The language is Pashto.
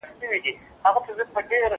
خواړه ورکړه!.